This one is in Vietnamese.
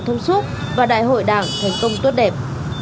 thông suốt và đại hội đảng thành công tốt đẹp